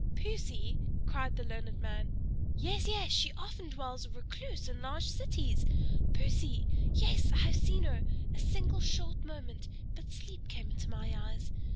"Poesy!" cried the learned man. "Yes, yes, she often dwells a recluse in large cities! Poesy! Yes, I have seen her a single short moment, but sleep came into my eyes!